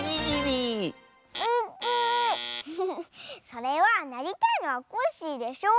それはなりたいのはコッシーでしょ？